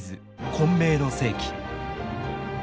「混迷の世紀」。